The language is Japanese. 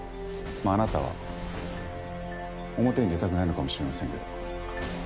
まああなたは表に出たくないのかもしれませんけど。